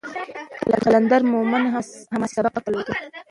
قلندر مومند هم حماسي سبک درلود.